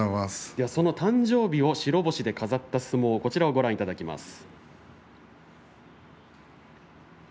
その誕生日を白星で飾った相撲をご覧いただきます。